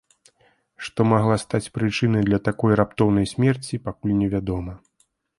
Што магла стаць прычынай для такой раптоўнай смерці, пакуль невядома.